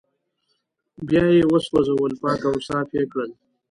بيا يې وسوځول پاک او صاف يې کړل